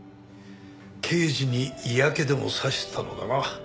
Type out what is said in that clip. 刑事に嫌気でも差したのかな？